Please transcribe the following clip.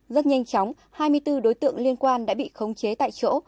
rất nhanh chóng hai mươi bốn đối tượng liên quan đã bị khống chế tại chỗ